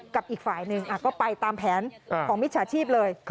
กับอีกฝ่ายหนึ่งก็ไปตามแผนของมิจฉาชีพเลย